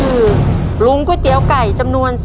เพื่อชิงทุนต่อชีวิตสุด๑ล้านบาท